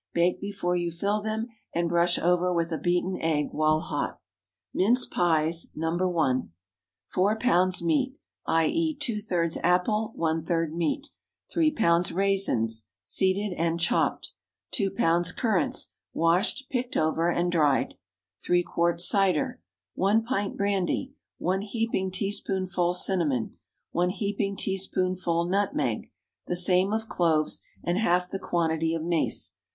Bake before you fill them, and brush over with a beaten egg while hot. MINCE PIES (No. 1.) 4 lbs. meat—i. e., two thirds apple, one third meat. 3 lbs. raisins, seeded and chopped. 2 lbs. currants, washed, picked over, and dried. 3 quarts cider. 1 pint brandy. 1 heaping teaspoonful cinnamon. 1 heaping teaspoonful nutmeg. The same of cloves, and half the quantity of mace.